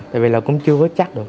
bởi vì là cũng chưa có chắc được